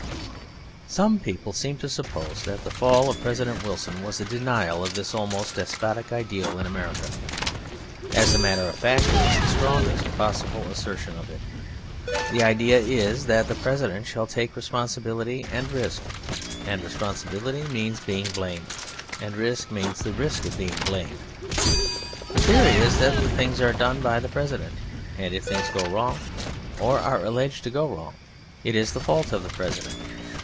Some people seem to suppose that the fall of President Wilson was a denial of this almost despotic ideal in America. As a matter of fact it was the strongest possible assertion of it. The idea is that the President shall take responsibility and risk; and responsibility means being blamed, and risk means the risk of being blamed. The theory is that things are done by the President; and if things go wrong, or are alleged to go wrong, it is the fault of the President.